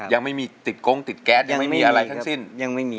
ยังไม่มีติดโกงติดแก๊สยังไม่มีอะไรทั้งสิ้นยังไม่มี